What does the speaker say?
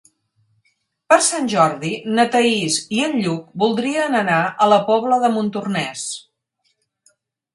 Per Sant Jordi na Thaís i en Lluc voldrien anar a la Pobla de Montornès.